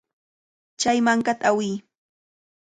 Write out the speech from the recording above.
Chay mankata awiy.